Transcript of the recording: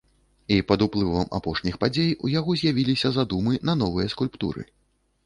І пад уплывам апошніх падзей у яго з'явіліся задумы на новыя скульптуры.